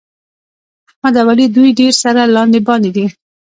احمد او علي دوی ډېر سره لاندې باندې دي.